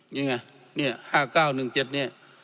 นี่ไงนี่๕๙๑๗นี่